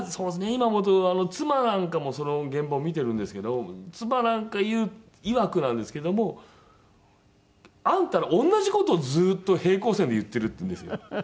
今思うと妻なんかもその現場を見てるんですけど妻なんか言ういわくなんですけども「あんたら同じ事をずっと平行線で言ってる」って言うんですよ。